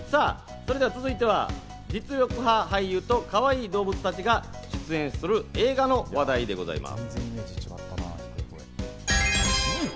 それでは続いては、実力派俳優とかわいい動物たちが出演する映画の話題です。